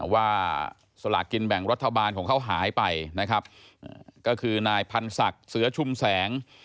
ว่าสลากกินแบ่งรัฐบาลของเขาหายไปนะครับก็คือนายพันศักดิ์เสือชุมแสง